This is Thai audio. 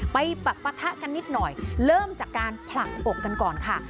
ไปปะทะกันนิดหน่อยเริ่มจากการผลักอกกันก่อนค่ะ